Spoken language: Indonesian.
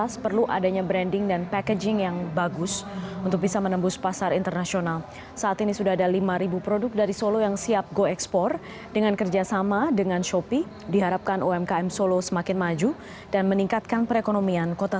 selamat malam putri